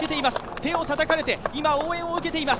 手をたたかれて今、応援を受けています。